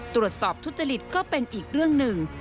ตรวจสอบทุจริตก็เป็นอีกเรื่องหนึ่ง